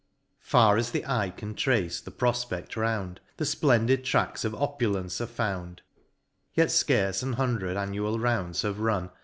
Far as the eye can trace the profpe<fl round, The fplendid tracks of opulence are found : Yet fcarce an hundred annual rounds have run.